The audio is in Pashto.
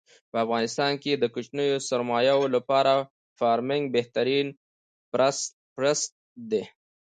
په افغانستان کې د کوچنیو سرمایو لپاره فارمنګ بهترین پرست دی.